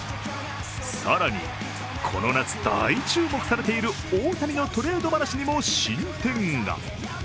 更に、この夏、大注目されている大谷のトレード話にも進展が。